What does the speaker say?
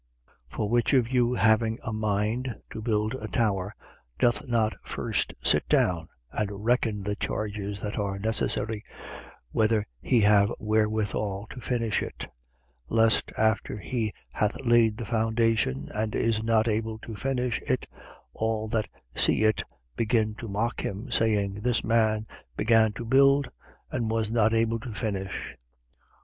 14:28. For which of you, having a mind to build a tower, doth not first sit down and reckon the charges that are necessary, whether he have wherewithal to finish it: 14:29. Lest, after he hath laid the foundation and is not able to finish it, all that see it begin to mock him, 14:30. Saying: This man began to build and was not able to finish.